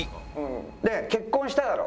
結婚しただろ？